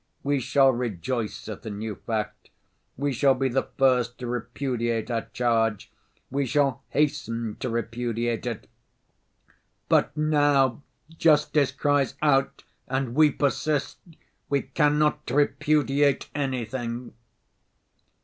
We shall rejoice at the new fact, we shall be the first to repudiate our charge, we shall hasten to repudiate it. But now justice cries out and we persist, we cannot repudiate anything."